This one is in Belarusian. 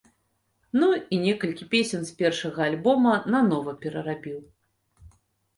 Ну, і некалькі песень з першага альбома нанова перарабіў.